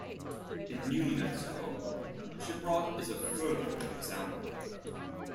In New Mexico, Shiprock is a further example.